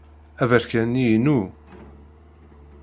Aberkan-nni inu.